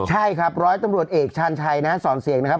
ใช่ครับร้อยตำรวจเอกชาญชัยนะสอนเสียงนะครับ